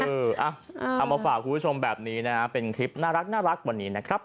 เอามาฝากคุณผู้ชมแบบนี้นะเป็นคลิปน่ารักวันนี้นะครับ